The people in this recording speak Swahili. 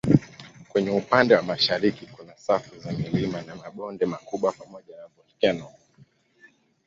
Kwenye upande wa mashariki kuna safu za milima na mabonde makubwa pamoja na volkeno.